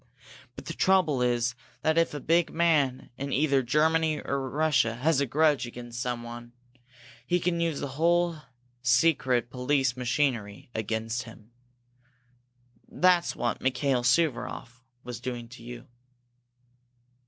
But the trouble is that if a big man in either Germany or Russia has a grudge against someone, he can use that whole secret police machinery against him. That's what Mikail Suvaroff was doing to you."